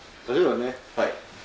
はい。